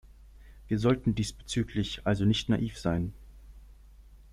Wir sollten diesbezüglich also nicht naiv sein.